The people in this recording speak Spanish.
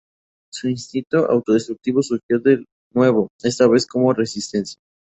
Su instinto autodestructivo surgió de nuevo, esta vez como "resistencia".